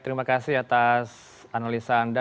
terima kasih atas analisa anda